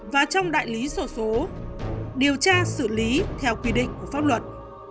và trong đại lý sổ số điều tra xử lý theo quy định của pháp luật